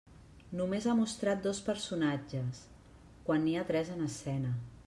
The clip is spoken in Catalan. Només ha mostrat dos personatges, quan n'hi ha tres en escena.